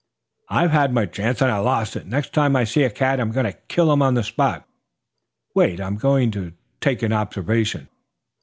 "I've had my chance and I lost it. Next time I see a cat I'm going to kill him on the spot. Wait; I'm going to take an observation."